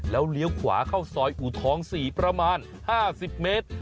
แล้วเลี้ยวขวาเข้าซอยอูทอง๔ประมาณ๕๐เมตร